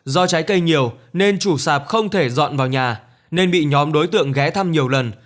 do trái cây nhiều nên chủ sạp không thể dọn vào nhà nên bị nhóm đối tượng ghé thăm nhiều lần